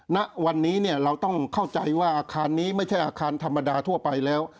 ณวันนี้เราต้องเข้าใจว่าอาคารนี้ไม่ใช่อาคารธรรมดาทั่วไปแล้ว